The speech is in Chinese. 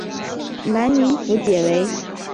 南宁府解围。